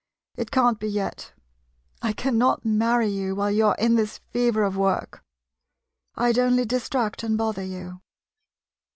It can't be yet — I cannot marry you while you 're in this fever of work — I 'd only distract and bother you.